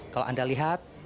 kalau anda lihat